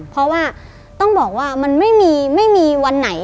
เพราะว่าต้องบอกว่ามันไม่มีวันไหน